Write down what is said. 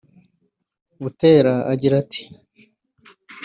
Butera agira ati